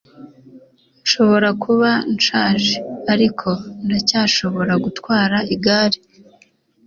Nshobora kuba nshaje, ariko ndacyashobora gutwara igare.